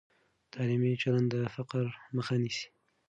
تعلیمي چلند د فقر مخه نیسي.